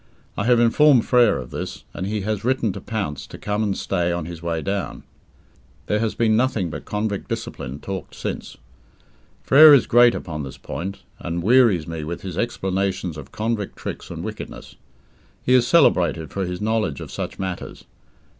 I have informed Frere of this, and he has written to Pounce to come and stay on his way down. There has been nothing but convict discipline talked since. Frere is great upon this point, and wearies me with his explanations of convict tricks and wickedness. He is celebrated for his knowledge of such matters.